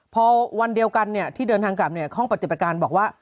พอวันเดียวกันที่เดินทางกลับห้องปฏิบัติการบอกว่า